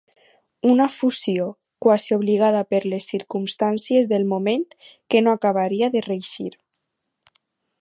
Una fusió quasi obligada per les circumstàncies del moment que no acabaria de reeixir.